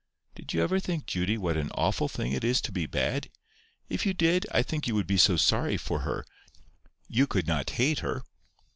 "Did you ever think, Judy, what an awful thing it is to be bad? If you did, I think you would be so sorry for her, you could not hate her."